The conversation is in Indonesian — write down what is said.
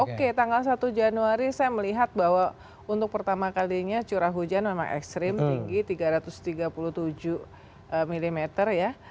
oke tanggal satu januari saya melihat bahwa untuk pertama kalinya curah hujan memang ekstrim tinggi tiga ratus tiga puluh tujuh mm ya